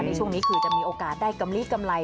ในช่วงนี้คือจะมีโอกาสได้กำลีกำไร